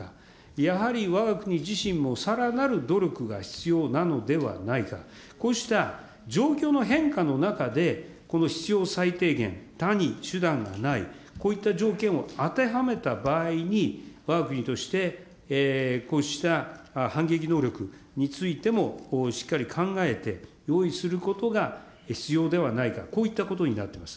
やはりわが国自身もさらなる努力が必要なのではないか、こうした状況の変化の中で、この必要最低限、他に手段がない、こういった条件を当てはめた場合に、わが国としてこうした反撃能力についても、しっかり考えて、用意することが必要ではないか、こういったことになってます。